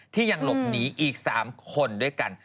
ยังหลบหนีอีก๓คนด้วยกัน